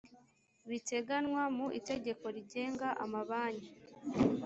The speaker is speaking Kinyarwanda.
biteganywa mu itegeko rigenga amabanki